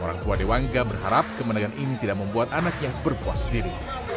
orang tua dewangga berharap kemenangan ini tidak membuat anaknya berpuas diri